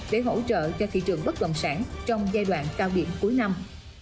để hỗ trợ cho thị trường bất động sản trong giai đoạn cao điểm cuối năm